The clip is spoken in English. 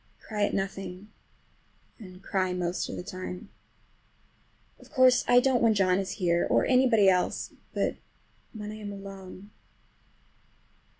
I cry at nothing, and cry most of the time. Of course I don't when John is here, or anybody else, but when I am alone.